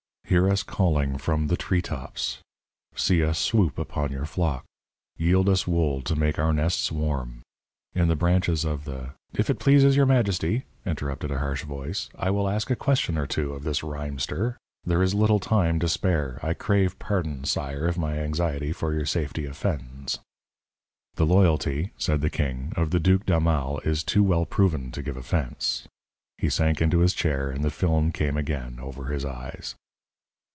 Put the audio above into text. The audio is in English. "Hear us calling from the tree tops, See us swoop upon your flock; Yield us wool to make our nests warm In the branches of the '" "If it please your majesty," interrupted a harsh voice, "I will ask a question or two of this rhymester. There is little time to spare. I crave pardon, sire, if my anxiety for your safety offends." "The loyalty," said the king, "of the Duke d'Aumale is too well proven to give offence." He sank into his chair, and the film came again over his eyes.